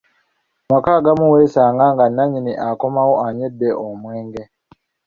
Mu maka agamu weesanga nga nnyinimu akomawo anywedde omwenge.